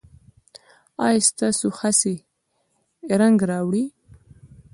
ایا ستاسو هڅې رنګ راوړي؟